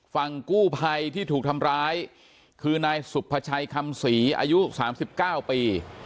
ฝั่งกู้ภัยที่ถูกทำร้ายคือนายสุภาชัยคำศรีอายุ๓๙ปี